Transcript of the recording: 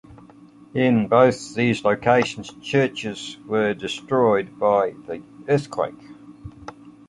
In both of these locations churches were destroyed by the earthquake.